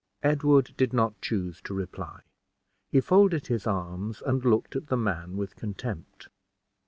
Edward did not choose to reply; he folded his arms and looked at the man with contempt.